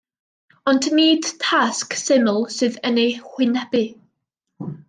Ond nid tasg syml sydd yn eu hwynebu.